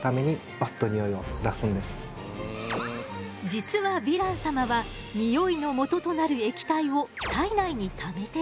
実はヴィラン様はニオイのもととなる液体を体内にためているの。